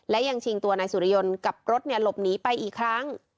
และยังชิงตัวนายสุริยนต์กับรถหลบหนีไปอีกครั้ง